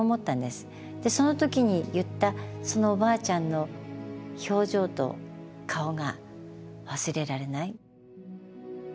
その時に言ったそのおばあちゃんの表情と顔が忘れられない。